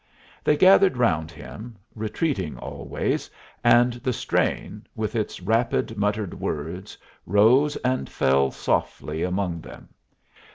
They gathered round him, retreating always, and the strain, with its rapid muttered words, rose and fell softly among them.